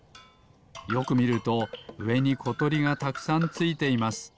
よくみるとうえにことりがたくさんついています。